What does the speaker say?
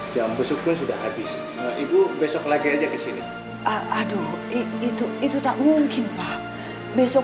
jam bersyukur sudah habis ibu besok lagi aja kesini aduh itu itu tak mungkin pak besok